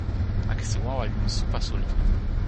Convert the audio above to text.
akesi wawa li lon lupa suli ni.